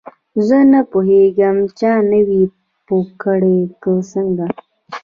زه نه پوهیږم چا نه وې پوه کړې که څنګه.